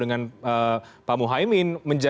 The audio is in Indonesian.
dengan pak muhaymin